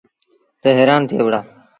تا هيرآݩ ٿئي وهُڙآ۔